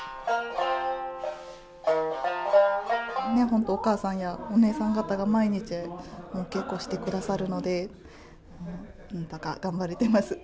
本当おかあさんやおねえさん方が毎日お稽古してくださるのでなんとか頑張れてます。